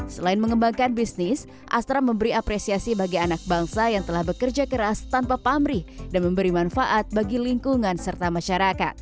selain mengembangkan bisnis astra memberi apresiasi bagi anak bangsa yang telah bekerja keras tanpa pamrih dan memberi manfaat bagi lingkungan serta masyarakat